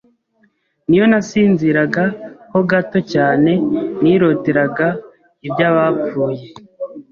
n’iyo nasinziraga ho gato cyane niroteraga iby’abapfuye